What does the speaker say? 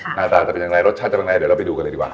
หน้าตาจะเป็นอย่างไรรสชาติจะเป็นไงเดี๋ยวเราไปดูกันเลยดีกว่า